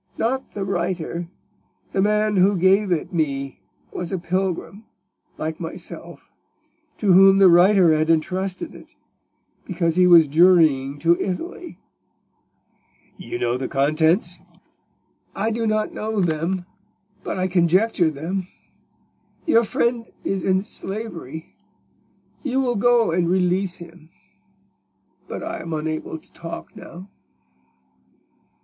"Not the writer. The man who gave it me was a pilgrim, like myself, to whom the writer had intrusted it, because he was journeying to Italy." "You know the contents?" "I do not know them, but I conjecture them. Your friend is in slavery: you will go and release him. But I am unable to talk now."